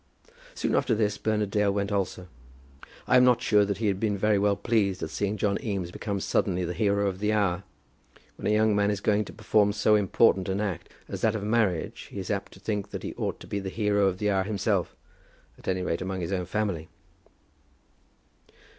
Soon after this Bernard Dale went also. I am not sure that he had been well pleased at seeing John Eames become suddenly the hero of the hour. When a young man is going to perform so important an act as that of marriage, he is apt to think that he ought to be the hero of the hour himself at any rate among his own family.